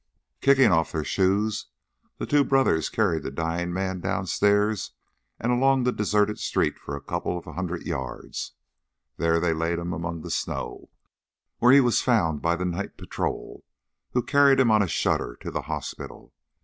Kicking off their shoes, the two brothers carried the dying man down stairs and along the deserted street for a couple of hundred yards. There they laid him among the snow, where he was found by the night patrol, who carried him on a shutter to the hospital.